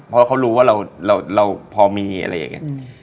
เพราะเขารู้ว่าเราพอมีอะไรอย่างนี้